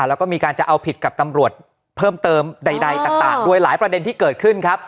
แล้วก็มีการจะเอาผิดกับตำรวจเพิ่มเติมใดต่างด้วยหลายประเด็นที่เกิดขึ้นครับ